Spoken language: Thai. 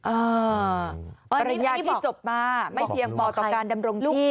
ปริญญาที่จบมาไม่เพียงพอต่อการดำรงที่